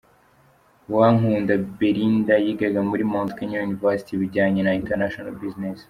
Uwankunda Belinda yigaga muri Mount Kenya University ibijyanye na 'International Business'.